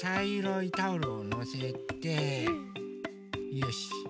よし。